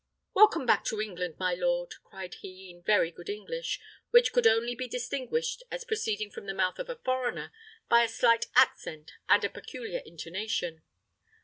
"Welcome back to England, my lord!" cried he, in very good English, which could only be distinguished as proceeding from the mouth of a foreigner by a slight accent and a peculiar intonation.